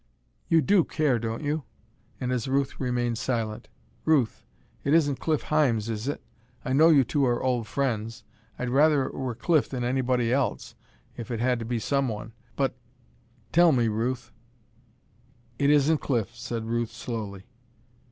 You do care, don't you?" And, as Ruth remained silent, "Ruth, it isn't Cliff Hymes, is it? I know you two are old friends. I'd rather it were Cliff than anybody else, if it had to be some one, but tell me, Ruth!" "It isn't Cliff," said Ruth slowly.